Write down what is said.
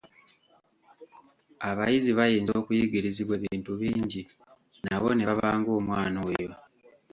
Abayizi bayinza okuyigirizibwa ebintu bingi, nabo ne baba ng'omwana oyo.